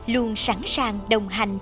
luôn sẵn sàng đồng hành